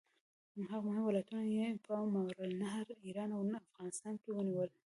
هغه مهم ولایتونه په ماوراالنهر، ایران او افغانستان کې ونیول.